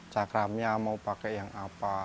cakramnya mau pakai yang apa